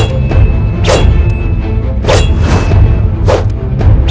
mereka semua berpikir seperti itu